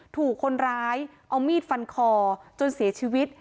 ถูกคนร้ายเอามีดฟันคอจนเสียชีวิต